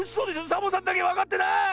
⁉サボさんだけわかってない！